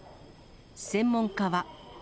専門家は。